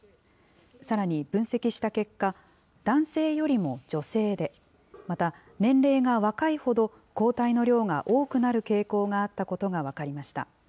さらに分析した結果、男性よりも女性で、また年齢が若いほど、抗体の量が多くなる傾向があったことが分かりました。